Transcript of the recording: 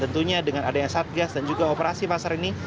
tentunya dengan adanya satgas dan juga operasi pasar ini